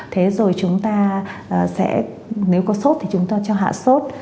thế rồi chúng ta sẽ nếu có sốt thì chúng ta cho hạ sốt